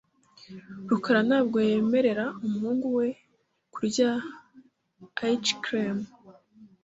rukara ntabwo yemerera umuhungu we kurya ice cream .